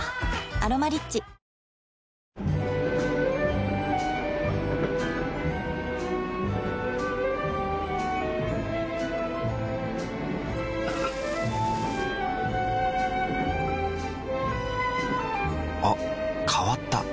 「アロマリッチ」あ変わった。